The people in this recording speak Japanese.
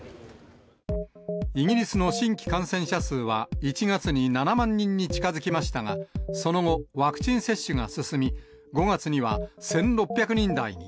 イギリスの新規感染者数は、１月に７万人に近づきましたが、その後、ワクチン接種が進み、５月には１６００人台に。